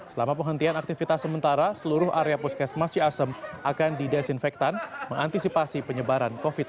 selama penghentian aktivitas sementara seluruh area puskesmas ciasem akan didesinfektan mengantisipasi penyebaran covid sembilan belas